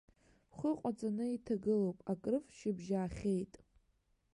Бхәы ҟаҵаны иҭагылоуп, акрыф, шьыбжьаахьеит.